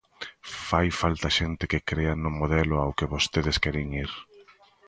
Fai falta xente que crea no modelo ao que vostedes queren ir.